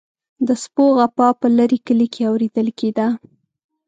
د سپو غپا په لرې کلي کې اوریدل کیده.